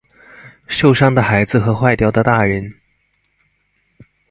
受傷的孩子和壞掉的大人